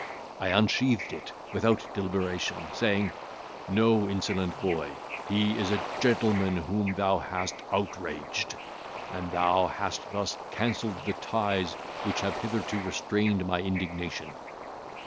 I unsheathed it without deliberation, saying, 'Know, insolent boy, he is a gentleman whom thou hast outraged; and thou hast thus cancelled the ties which have hitherto restrained my indignation.